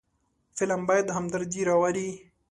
فلم باید همدردي راولي